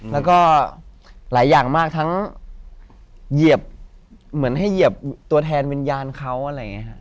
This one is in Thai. แล้วก็หลายอย่างมากทั้งเหยียบเหมือนให้เหยียบตัวแทนวิญญาณเขาอะไรอย่างนี้ครับ